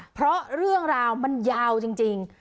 เพราะเรื่องราวมันยาวจริง